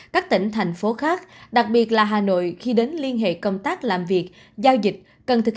các tỉnh thành phố khác đặc biệt là hà nội khi đến liên hệ công tác làm việc giao dịch cần thực